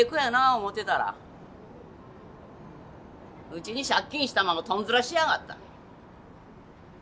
思ってたらうちに借金したままとんずらしやがった。